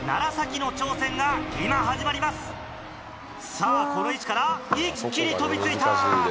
さぁこの位置から一気に飛び付いた！